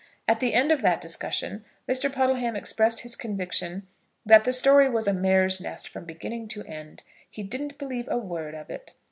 At the end of that discussion, Mr. Puddleham expressed his conviction that the story was a mare's nest from beginning to end. He didn't believe a word of it.